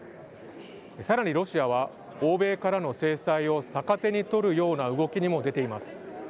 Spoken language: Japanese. さらにロシアは、欧米からの制裁を逆手に取るような動きにも出ています。